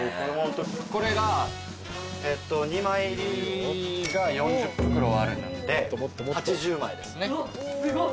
これが２枚入りが４０袋あるんで８０枚ですね。